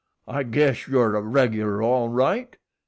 "I guess you're a regular all right.